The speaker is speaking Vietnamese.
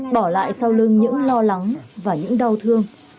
bỏ lại sau lưng những lo lắng và những đau thương